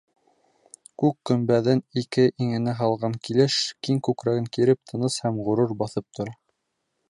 Күк көмбәҙен ике иңенә һалған килеш, киң күкрәген киреп, тыныс һәм ғорур баҫып тора.